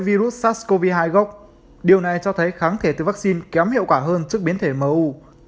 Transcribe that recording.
virus sars cov hai gốc điều này cho thấy kháng thể từ vaccine kém hiệu quả hơn trước biến thể mu